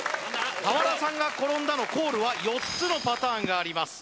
「俵さんが転んだ」のコールは４つのパターンがあります